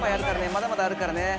まだまだあるからね。